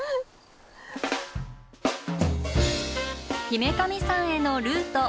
姫神山へのルート。